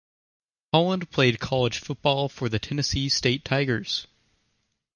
Holland played college football for the Tennessee State Tigers.